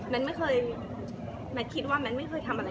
แมนไม่เคยแมนเคยคิดว่าแมนไม่เคยทำอะไรไม่ดี